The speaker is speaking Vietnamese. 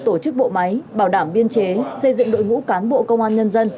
tổ chức bộ máy bảo đảm biên chế xây dựng đội ngũ cán bộ công an nhân dân